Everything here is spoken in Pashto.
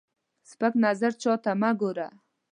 سپک نظر چاته مه ګوره